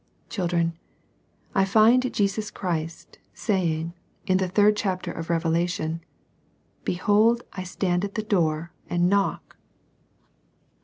Children, I find Jesus Christ saying, in the third chapter of Revelation, " Behold I stand at the door and knock."